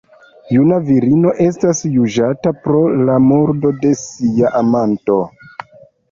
Juna virino estas juĝata pro la murdo de sia amanto.